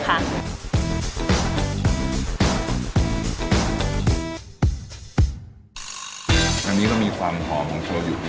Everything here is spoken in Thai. อันนี้จะมีความหอมของชออยุ